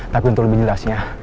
tapi untuk lebih jelasnya